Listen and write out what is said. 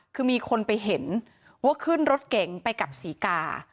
คือมีคนไปเห็นว่าขึ้นรถเก๋งไปกับศรีกา